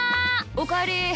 おかえり。